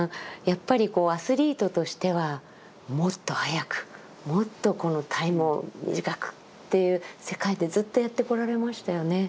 やっぱりアスリートとしてはもっと速くもっとこのタイムを短くっていう世界でずっとやってこられましたよね。